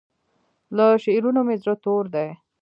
له شعرونو مې زړه تور دی